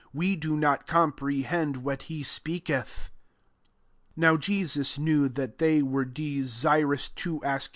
we do not comprehend what ke speaketh." 19 J^ov) Jesus knew that th^ were desirous to ask.